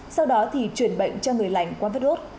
sau đó thì chuyển bệnh cho người lành qua virus